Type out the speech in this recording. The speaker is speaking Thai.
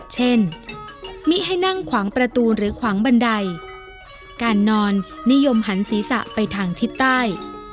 เช่นมิให้นั่งขวางประตูหรือขวางบันไดการนอนนิยมหันศีรษะไปทางทิศใต้